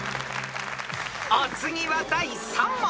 ［お次は第３問］